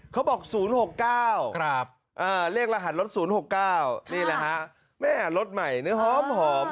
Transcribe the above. เขาบอก๐๖๙เลขรหัสรถ๐๖๙นี่แหละฮะแม่รถใหม่เนื้อหอม